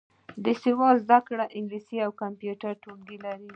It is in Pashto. د سواد زده کړې انګلیسي او کمپیوټر ټولګي لري.